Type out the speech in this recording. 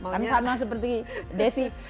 karena sama seperti desy